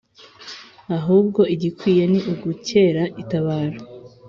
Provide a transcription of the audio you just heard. Ahubwo igikwiye ni ugukera itabaro